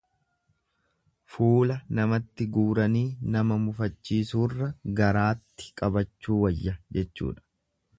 Fuula namatti guuranii nama mufachiisuurra garaatti qabachuu wayya jechuudha.